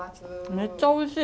めっちゃおいしい。